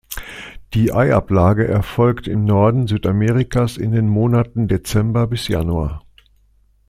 Die Eiablage erfolgt im Norden Südamerikas in den Monaten Dezember bis Januar.